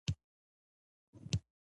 ښوونځی کې لوبې هم کېږي